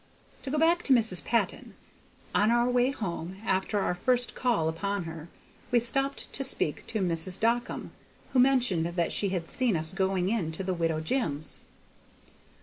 To go back to Mrs. Patton; on our way home, after our first call upon her, we stopped to speak to Mrs. Dockum, who mentioned that she had seen us going in to the "Widow Jim's."